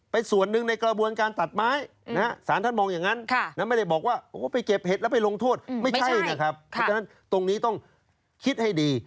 เพราะฉะนั้นตรงนี้ต้องคิดให้ดี